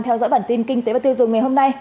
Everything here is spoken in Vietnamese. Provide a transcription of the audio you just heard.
theo dõi bản tin kinh tế và tiêu dùng ngày hôm nay